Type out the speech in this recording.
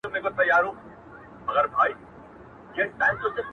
زمـــا د رسـوايـــۍ كــيســه’